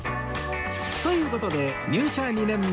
という事で入社２年目